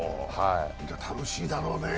じゃ、楽しいだろうね。